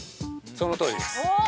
◆そのとおりです。